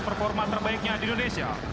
performa terbaiknya di indonesia